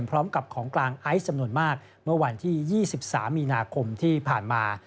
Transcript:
พร้อมกับของกลางไอซ์จำนวนมากเมื่อวันที่๒๓มีนาคมที่ผ่านมา